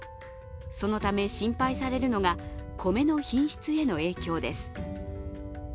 そのため、心配されるのが米の品質への影響です。